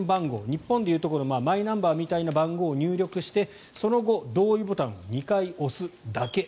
日本でいうところのマイナンバーみたいな番号を入力してその後、同意ボタンを２回押すだけ。